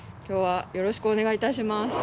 今日はよろしくお願いいたします。